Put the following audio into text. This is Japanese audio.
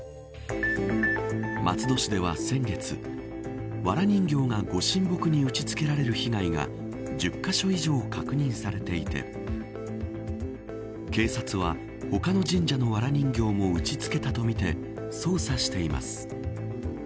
松戸市では先月わら人形がご神木に打ち付けられる被害が１０カ所以上確認されていて警察は、他の神社のわら人形も打ち付けたとみて捜査しています。